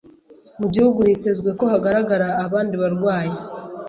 mu gihugu hitezwe ko hagaragara abandi barwayi